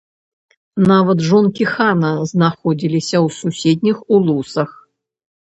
Нават жонкі хана знаходзіліся ў суседніх улусах.